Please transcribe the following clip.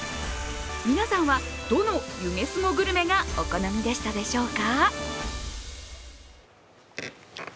皆さんはどの湯気すごグルメがお好みでしたでしょうか？